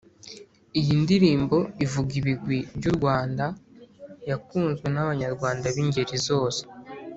Iyi ndirimbo ivuga ibigwi by'u Rwanda yakunzwe n'abanyarwanda b'ingeri zose